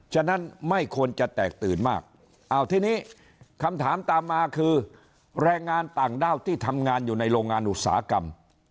ฉะนั้นไม่ควรจะแตกตื่นมากเอาทีนี้คำถามตามมาคือแรงงานต่างด้าวที่ทำงานอยู่ในโรงงานอุตสาหกรรม